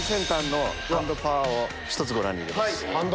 ひとつご覧に入れます。